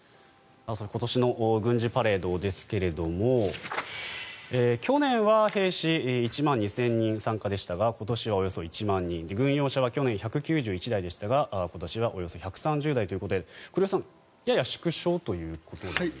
今年の軍事パレードですが去年は兵士１万２０００人参加でしたが今年はおよそ１万人軍用車は去年１９１台でしたが今年はおよそ１３０台ということでやや縮小ということですね。